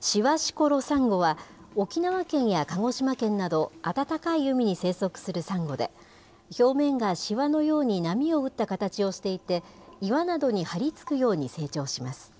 シワシコロサンゴは、沖縄県や鹿児島県など暖かい海に生息するサンゴで、表面がしわのように波を打った形をしていて、岩などに張り付くように成長します。